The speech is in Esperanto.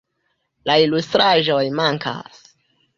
La ilustraĵoj mankas.